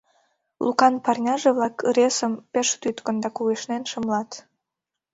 Лукан парняже-влак ыресым пеш тӱткын да кугешнен шымлат.